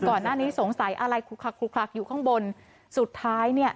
ก่อนหน้านี้สงสัยอะไรคลุกคลักคลุกคลักอยู่ข้างบนสุดท้ายเนี่ย